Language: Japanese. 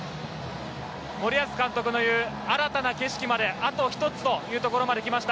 森保監督の言う新たな景色まであと１つというところまできました。